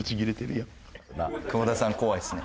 久保田さん怖いですね。